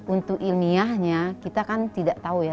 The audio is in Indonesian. untuk ilmiahnya kita kan tidak tahu ya